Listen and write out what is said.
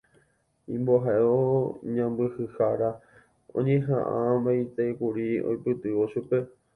Imbo'ehao sãmbyhyhára oñeha'ãmbaitékuri oipytyvõ chupe.